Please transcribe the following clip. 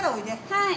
はい。